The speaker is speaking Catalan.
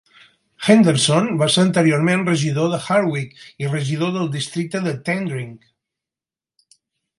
Henderson va ser anteriorment regidor de Harwich i regidor del districte de Tendring.